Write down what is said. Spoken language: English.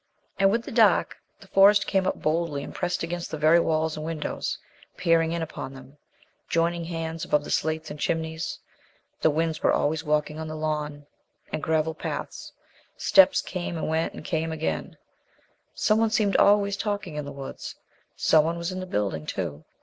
And, with the dark, the Forest came up boldly and pressed against the very walls and windows, peering in upon them, joining hands above the slates and chimneys. The winds were always walking on the lawn and gravel paths; steps came and went and came again; some one seemed always talking in the woods, some one was in the building too.